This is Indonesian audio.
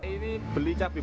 ini beli cabai